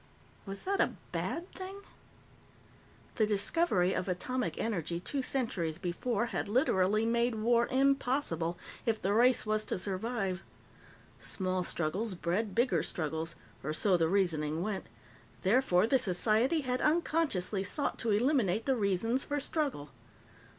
Was that a bad thing? The discovery of atomic energy, two centuries before, had literally made war impossible, if the race was to survive. Small struggles bred bigger struggles or so the reasoning went. Therefore, the society had unconsciously sought to eliminate the reasons for struggle.